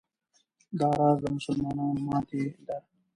دا راز د مسلمانانو ماتې ده.